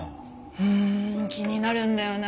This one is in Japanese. うん気になるんだよな。